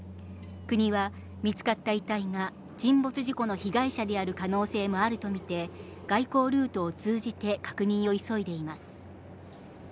国は見つかった遺体が、沈没事故の被害者である可能性もあると見て、外交ルートを通じて確認を急いでいます。